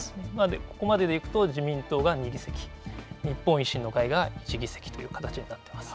ここまでで行くと自民党が２議席日本維新の会が１議席という形になっています。